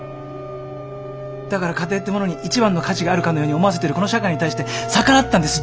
だから家庭ってものに一番の価値があるかのように思わせてるこの社会に対して逆らったんです。